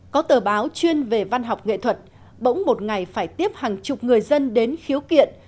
có tờ báo chuyên về văn học nghệ thuật bỗng một ngày phải tiếp hàng chục người dân đến khiếu kiện